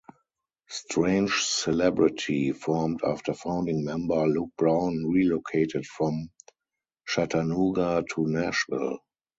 Strange Celebrity formed after founding member Luke Brown relocated from Chattanooga to Nashville.